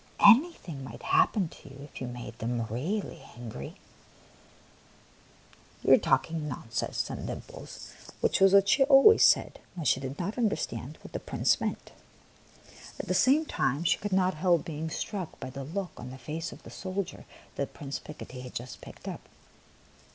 Anything might happen to you if you made them really angry !""■ You are only talking nonsense," said Dim ples, which was what she always said when she did not understand what the Prince meant. At the same time she could not help being struck by the look on the face of the soldier that Prince Picotee had just picked up.